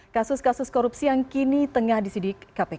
kasus kasus korupsi yang kini tengah disidik kpk